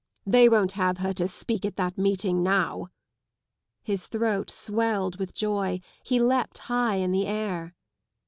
They won't have her to speak at that meeting now! " His throat swelled with joy, he leapt high in the air.